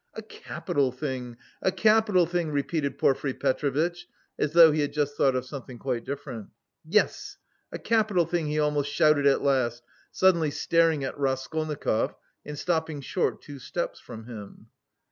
"A capital thing, a capital thing," repeated Porfiry Petrovitch, as though he had just thought of something quite different. "Yes, a capital thing," he almost shouted at last, suddenly staring at Raskolnikov and stopping short two steps from him.